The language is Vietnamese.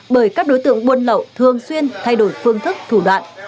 bởi các đối tượng buôn lậu thường xuyên thay đổi phương thức thủ đoạn